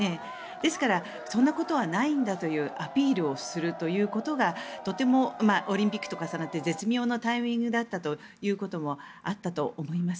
ですからそんなことはないんだというアピールをするということがとてもオリンピックと重なって絶妙なタイミングだったということもあったと思います。